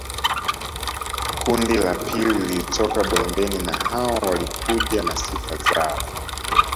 Kundi la pili lilitoka bondeni na hawa walikuja na sifa zao